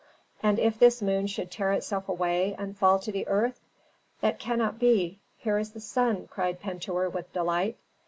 "And if this moon should tear itself away and fall to the earth?" "That cannot be. Here is the sun!" cried Pentuer, with delight.